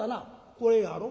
「これやろ？」。